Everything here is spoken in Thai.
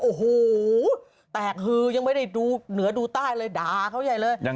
โอ้โหแตกฮือยังไม่ได้ดูเหนือดูใต้เลยด่าเขาใหญ่เลย